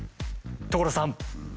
所さん！